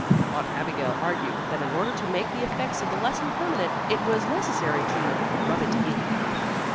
Aunt Abigail argued that in order to make the effects of the lesson permanent, it was necessary to "rub it in."